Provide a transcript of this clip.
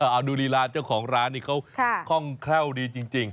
เอาดูลีลาเจ้าของร้านนี่เขาคล่องแคล่วดีจริง